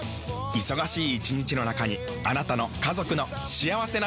忙しい一日の中にあなたの家族の幸せな時間をつくります。